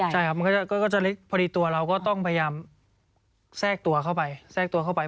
ใช่ครับมันก็จะเล็กพอดีตัวเราก็ต้องพยายามแทรกตัวเข้าไปแทรกตัวเข้าไป